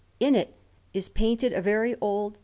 In it is painted a very old S.